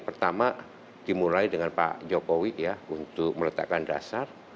pertama dimulai dengan pak jokowi ya untuk meletakkan dasar